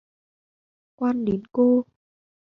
quan đến cô